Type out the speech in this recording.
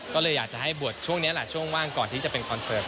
ก็เลยอยากจะให้บวชช่วงนี้แหละช่วงว่างก่อนที่จะเป็นคอนเสิร์ต